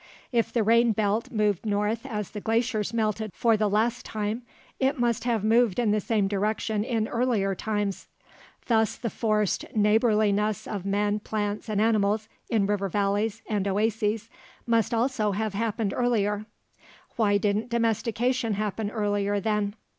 If the rain belt moved north as the glaciers melted for the last time, it must have moved in the same direction in earlier times. Thus, the forced neighborliness of men, plants, and animals in river valleys and oases must also have happened earlier. Why didn't domestication happen earlier, then?